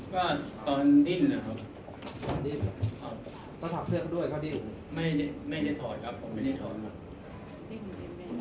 ก็จะเสียชีวิตโดย